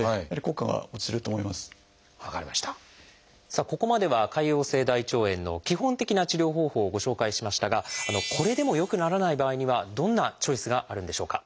さあここまでは潰瘍性大腸炎の基本的な治療方法をご紹介しましたがこれでも良くならない場合にはどんなチョイスがあるんでしょうか？